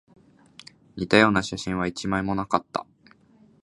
似たような写真は一枚もなかった